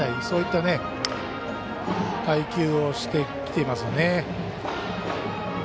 そういった配球をしていますね。